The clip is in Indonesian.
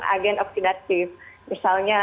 agen oksidatif misalnya